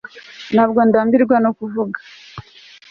ntabwo ndambirwa no kuvuga